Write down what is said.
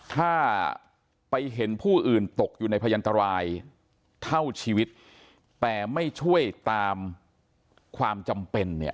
ถ้าไปเห็นผู้อื่นตกอยู่ในพยันตรายเท่าชีวิตแต่ไม่ช่วยตามความจำเป็นเนี่ย